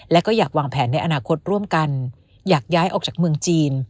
และก็อยากวางแผนในอนาคตร่วมกันอยากย้ายออกจากเมืองจีน